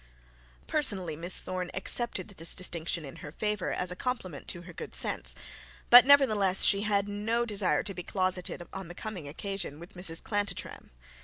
Personally Miss Thorne accepted this distinction in her favour as a compliment to her good sense; but nevertheless she had no desire to be closeted on the coming occasion with Mrs Chantantrum.